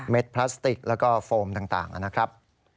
พลาสติกแล้วก็โฟมต่างนะครับ